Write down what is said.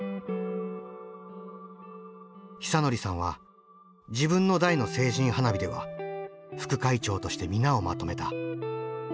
久典さんは自分の代の成人花火では副会長として皆をまとめた。